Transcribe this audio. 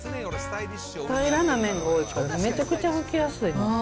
平らな面が多いからめちゃくちゃ拭きやすいもん。